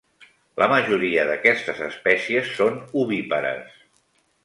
La majoria d'aquestes espècies són ovípares.